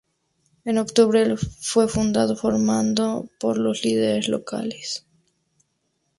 En octubre, el fue fundado, formado por los líderes locales.